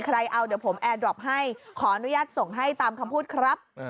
ใครเอาเดี๋ยวผมแอร์ดรอปให้ขออนุญาตส่งให้ตามคำพูดครับ